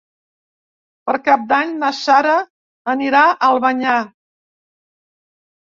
Per Cap d'Any na Sara anirà a Albanyà.